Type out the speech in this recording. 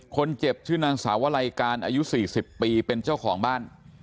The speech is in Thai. คนเจ็บชื่อนางสาวลัยการอายุ๔๐ปีเป็นเจ้าของบ้าน